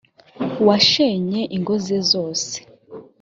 washenye ingo ze zose